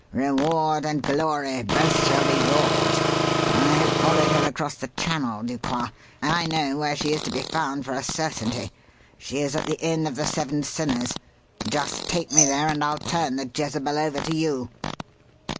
"Reward and glory, both shall be yours. I have followed her across the channel, Ducroix. I know where she is to be found for a certainty. She is at the Inn of the Seven Sinners. Just take me there and I'll turn the Jezebel over to you."